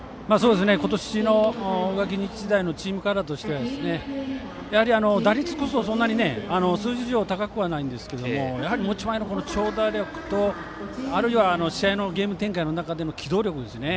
今年の大垣日大のチームカラーとしては、打率こそそんなに、数字上高くはないんですがやはり持ち前の長打力とあるいは試合のゲーム展開の中での機動力ですね。